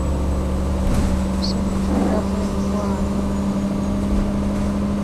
Ku ssimu tufunirako emikwano ne mirimu.